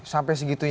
sampai segitu ya